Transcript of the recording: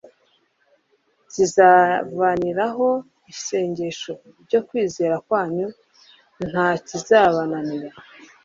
zizavariwaho n'ishengesho ryo kwizera kwanyu. « Nta kizabananira. »